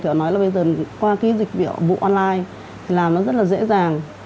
thì họ nói là bây giờ qua cái dịch vụ online làm nó rất là dễ dàng